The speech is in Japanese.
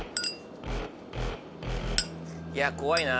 いや怖いな。